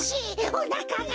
おなかが！